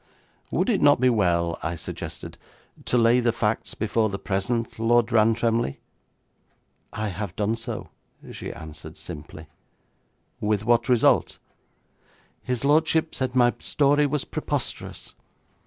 'Would it not be well,' I suggested, 'to lay the facts before the present Lord Rantremly?' 'I have done so,' she answered simply. 'With what result?' 'His lordship said my story was preposterous.